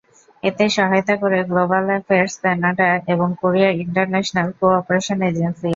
এতে সহায়তা করে গ্লোবাল অ্যাফেয়ার্স কানাডা এবং কোরিয়া ইন্টারন্যাশনাল কো-অপারেশন এজেন্সি।